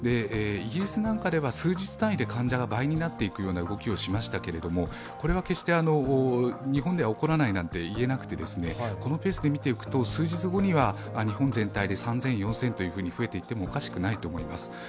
イギリスなどでは数日単位で患者が倍になっていくような動きをしましたけれども、これは決して日本では起こらないなんて言えなくてこのペースで見ていくと数日後には日本全体で３０００、４０００と増えていってもおかしくないと思います。